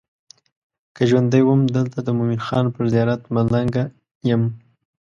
که ژوندی وم دلته د مومن خان پر زیارت ملنګه یم.